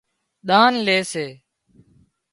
ۮان لي سي